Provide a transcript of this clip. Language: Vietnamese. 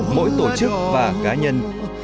mỗi tổ chức và cá nhân